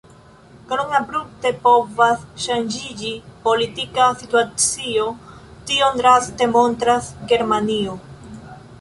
Kiom abrupte povas ŝanĝiĝi politika situacio, tion draste montras Germanio.